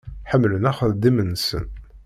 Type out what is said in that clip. Ḥemmlen axeddim-nsen.